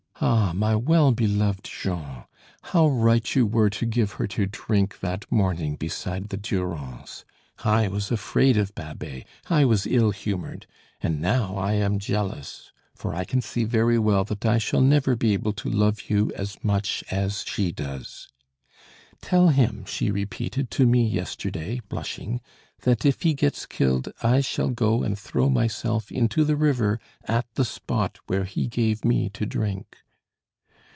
Ah! my well beloved Jean, how right you were to give her to drink that morning beside the Durance. I was afraid of Babet, I was ill humoured, and now I am jealous, for I can see very well that I shall never be able to love you as much as she does, 'Tell him,' she repeated to me yesterday, blushing, 'that if he gets killed, I shall go and throw myself into the river at the spot where he gave me to drink.'